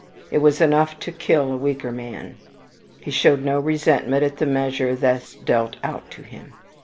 It was enough to kill a weaker man. "He showed no resentment at the measure thus dealt out to him.